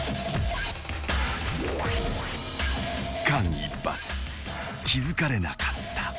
［間一髪気付かれなかった］